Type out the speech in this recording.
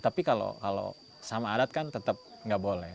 tapi kalau sama adat kan tetap nggak boleh